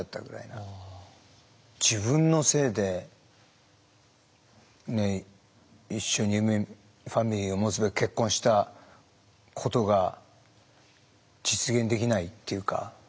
自分のせいで一緒にファミリーを持つべく結婚したことが実現できないっていうか。